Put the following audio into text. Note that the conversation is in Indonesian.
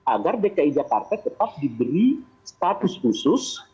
agar dki jakarta tetap diberi status khusus